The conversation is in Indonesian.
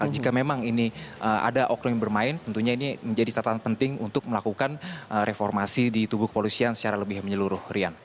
jika memang ini ada oknum yang bermain tentunya ini menjadi catatan penting untuk melakukan reformasi di tubuh kepolisian secara lebih menyeluruh rian